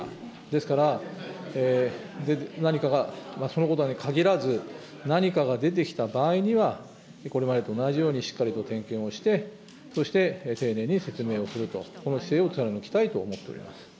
ですから、何かが、そのことに限らず、何かが出てきた場合には、これまでと同じようにしっかりと点検をして、そして丁寧に説明をする、この姿勢を貫きたいと思っております。